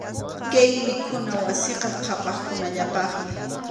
Kay mikhuna wasiqa qhapaqkunallapaqmi.